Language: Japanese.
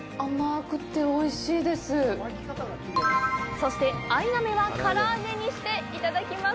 そして、アイナメは唐揚げにしていただきます！